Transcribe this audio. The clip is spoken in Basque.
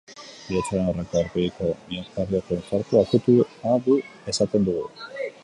Bihotzaren aurreko aurpegiko miokardioko infartu akutua du, esaten dugu.